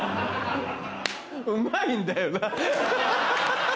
うまいんだよな。